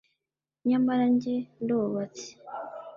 nyamara jye ndubatse